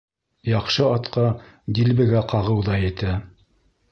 Яҡшы атҡа дилбегә ҡағыу ҙа етә.